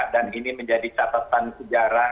dan ini menjadi catatan sejarah